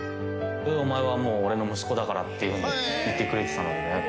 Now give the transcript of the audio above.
お前はもう俺の息子だからって言ってくれてたので。